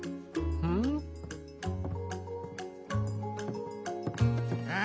うんうん。